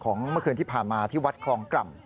เมื่อคืนที่ผ่านมาที่วัดคลองกล่ำ